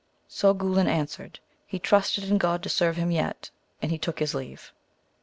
So Guilan answered, He trusted in God to serve him yet, and he took his leave.